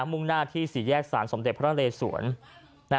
มุ่งหน้าที่สี่แยกสารสมเด็จพระเลสวน